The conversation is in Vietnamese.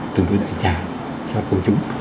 từng đối đại trả cho cô chúng